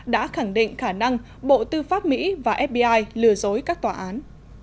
đã khẳng định khả năng bộ tư pháp mỹ và fbi lừa dối các tòa án